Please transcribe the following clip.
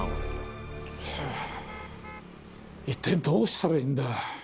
ハァ一体どうしたらいいんだ。